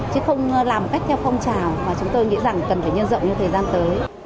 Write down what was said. chứ không làm cách theo phong trào mà chúng tôi nghĩ rằng cần phải nhân rộng như thời gian tới